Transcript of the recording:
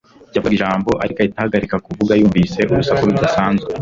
Yavugaga ijambo ariko ahita ahagarika kuvuga yumvise urusaku rudasanzwe